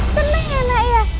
seneng ya nak ya